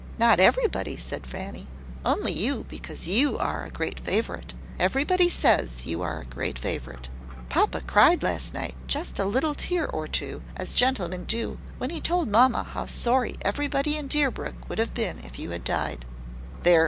"Not everybody," said Fanny; "only you, because you are a great favourite. Everybody says you are a great favourite. Papa cried last night just a little tear or two, as gentlemen do when he told mamma how sorry everybody in Deerbrook would have been if you had died." "There!